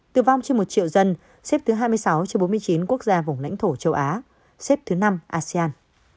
tử vong trên một triệu dân xếp thứ hai mươi sáu trên bốn mươi chín quốc gia vùng lãnh thổ châu á xếp thứ năm asean